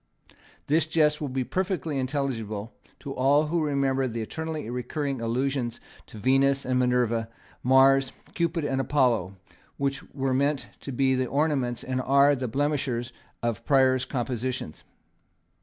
This jest will be perfectly intelligible to all who remember the eternally recurring allusions to Venus and Minerva, Mars, Cupid and Apollo, which were meant to be the ornaments, and are the blemishers, of Prior's compositions.